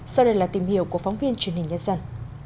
sau đây là tìm hiểu của phóng viên truyền hình nhân dân